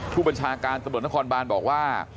ผู้บัญชาการสมบัตินครบานบอกว่า